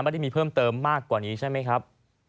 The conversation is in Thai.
ไม่ได้มีเพิ่มเติมมากกว่านี้ใช่ไหมครับ